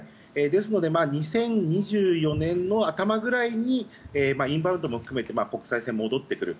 ですので２０２４年の頭ぐらいにインバウンドも含めて国際線は戻ってくる。